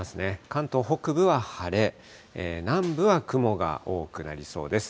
関東北部は晴れ、南部は雲が多くなりそうです。